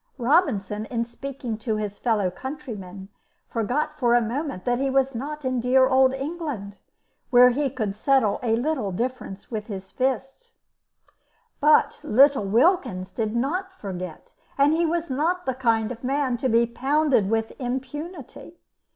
Robinson, in speaking to his fellow countryman, forgot for a moment that he was not in dear old England, where he could settle a little difference with his fists. But little Wilkins did not forget, and he was not the kind of man to be pounded with impunity.